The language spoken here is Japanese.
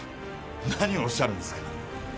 何をおっしゃるんですか